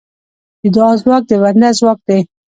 د دعا ځواک د بنده ځواک دی.